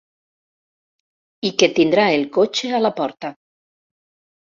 I que tindrà el cotxe a la porta.